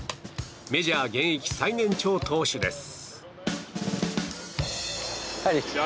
メジャー現役最年長投手です。